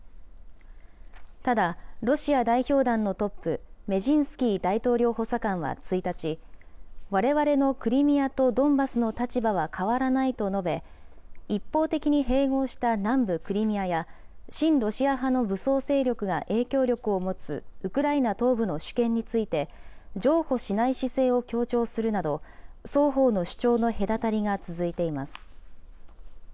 ただ、ロシア代表団のトップ、メジンスキー大統領補佐官は１日、われわれのクリミアとドンバスの立場は変わらないと述べ、一方的に併合した南部クリミアや、親ロシア派の武装勢力が影響力を持つウクライナ東部の主権について、譲歩しない姿勢を強調するなど、双方の主張の隔たりが続いています。